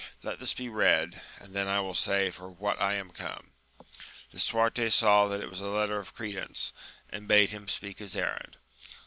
Let this be read, and then I will say for what I am come. Lisuarte saw that it was a letter of credence. AMADIS OF GAUL. 13 and bade him speak his errand.